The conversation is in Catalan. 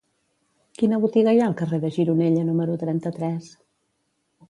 Quina botiga hi ha al carrer de Gironella número trenta-tres?